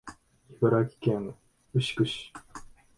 茨城県牛久市